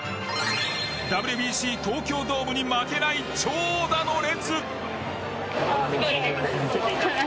ＷＢＣ東京ドームに負けない長蛇の列！